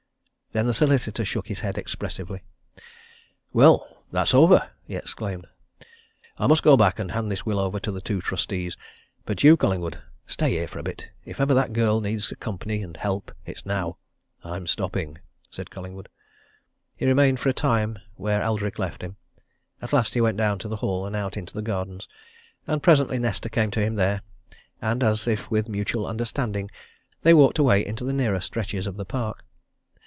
Then the solicitor shook his head expressively. "Well, that's over!" he exclaimed. "I must go back and hand this will over to the two trustees. But you, Collingwood stay here a bit if ever that girl needs company and help, it's now!" "I'm stopping," said Collingwood. He remained for a time where Eldrick left him; at last he went down to the hall and out into the gardens. And presently Nesta came to him there, and as if with a mutual understanding they walked away into the nearer stretches of the park.